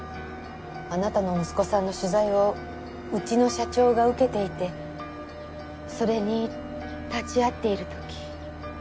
あなたの息子さんの取材をうちの社長が受けていてそれに立ち会っている時。